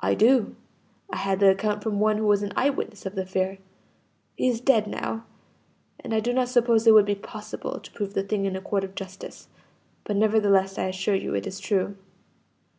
"I do; I had the account from one who was an eye witness of the affair. He is dead now, and I do not suppose it would be possible to prove the thing in a court of justice; but nevertheless I assure you it is true.